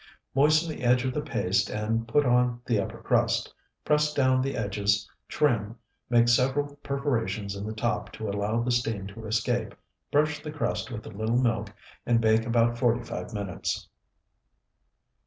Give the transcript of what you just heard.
Moisten the edge of the paste and put on the upper crust, press down the edges, trim, make several perforations in the top to allow the steam to escape, brush the crust with a little milk, and bake about forty five minutes.